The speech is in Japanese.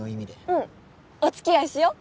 うんお付き合いしよう！